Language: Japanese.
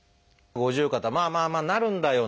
五十肩まあまあなるんだよ